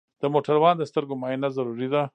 د موټروان د سترګو معاینه ضروري ده.